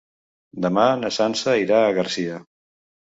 Demà na Sança irà a Garcia.